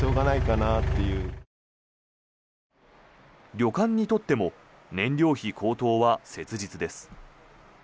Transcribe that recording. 旅館にとっても燃料費高騰は切実です。